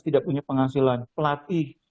tidak punya penghasilan pelatih